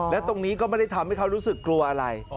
แล้วตรงนี้ก็ไม่ได้ทำให้เขารู้สึกกลัวอะไร